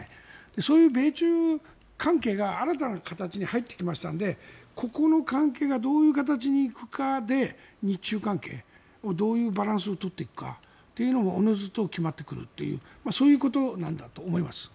そういう米中関係が新たな形に入ってきましたのでここの関係がどういう形に行くかで日中関係、どういうバランスを取っていくかというのもおのずと決まってくるというそういうことなんだと思います。